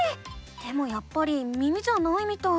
でもやっぱり耳じゃないみたい。